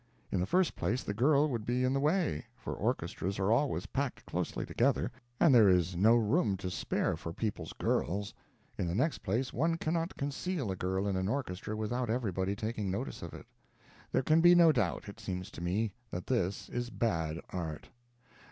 In the first place, the girl would be in the way, for orchestras are always packed closely together, and there is no room to spare for people's girls; in the next place, one cannot conceal a girl in an orchestra without everybody taking notice of it. There can be no doubt, it seems to me, that this is bad art.